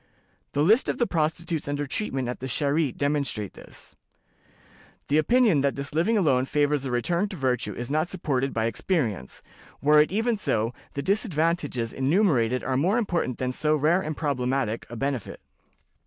The lists of the prostitutes under treatment at the Charité demonstrate this. The opinion that this living alone favors a return to virtue is not supported by experience; were it even so, the disadvantages enumerated are more important than so rare and problematical a benefit.